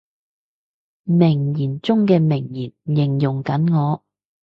名言中嘅名言，形容緊我